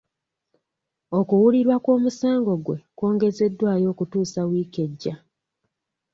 Okuwulirwa kw'omusango gwe kwongezeddwayo okutuusa wiiki ejja.